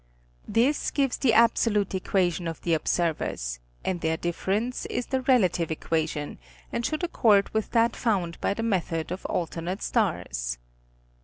This gives the absolute equation of the observers, and their difference is the relative equation, and should accord with that found by the method of alternate stars.